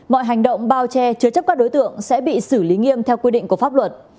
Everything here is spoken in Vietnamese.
mọi hành động bao che chứa chấp các đối tượng sẽ bị xử lý nghiêm theo quy định của pháp luật